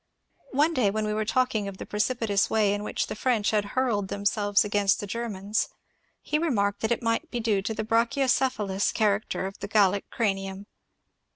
One day when we were talking of the precipitous way in which the French had hurled themselves against the Germans he remarked that it might be due to the brachyocephalous char acter of the Gallic cranium.